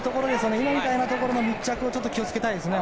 今みたいなところの密着を気をつけたいですね。